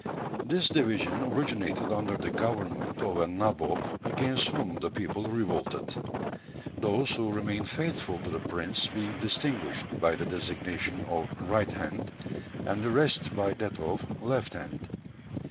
This division originated under the government of a nabob against whom the people revolted; those who remained faithful to the prince being distinguished by the designation of 'right hand,' and the rest by that of 'left hand.'